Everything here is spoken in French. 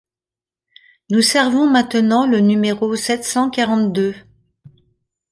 Nous servons maintenant le numéro sept cent quarante-deux.